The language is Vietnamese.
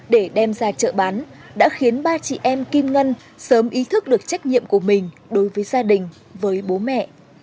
để đem ra chợ bán đã khiến ba chị em kim ngân sớm ý thức được trách nhiệm của mình đối với gia đình với bố mẹ